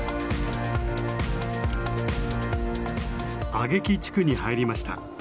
阿下喜地区に入りました。